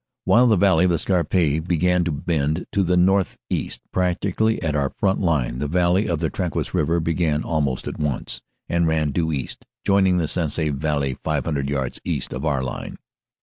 While the valley of the Scarpe began to bend to the northeast practically at our front line, the valley of the Trinquis river began almost at once, and ran due east, joining the Sensee valley 5,000 yards east of our line.